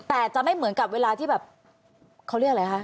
แต่จะไม่เหมือนกับเวลาที่แบบเขาเรียกอะไรคะ